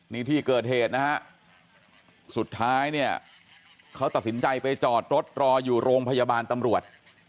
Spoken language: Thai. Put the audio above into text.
นี่ที่เกิดเหตุนะฮะสุดท้ายเนี่ยเขาตัดสินใจไปจอดรถรออยู่โรงพยาบาลตำรวจ